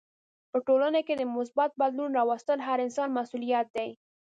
په ټولنه کې د مثبت بدلون راوستل هر انسان مسولیت دی.